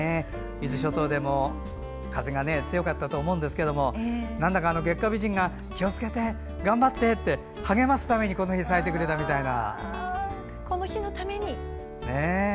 伊豆諸島でも風が強かったと思うんですけどなんだか月下美人が気をつけて、頑張って！って励ますために、このように咲いてくれたみたいなね。